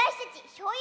しょうゆ！